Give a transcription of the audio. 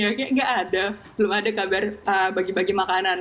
gak ada belum ada bagi bagi makanan